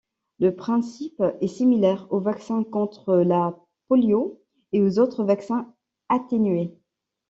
Le principe est similaire au vaccin contre la polio et aux autres vaccins atténués.